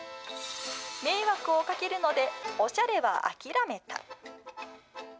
迷惑をかけるので、オシャレは諦めた。